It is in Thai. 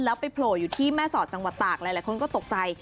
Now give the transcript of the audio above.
แล้วไปโผล่อยู่ที่แม่สอดจังหวัดตากหลายคนก็ตกใจ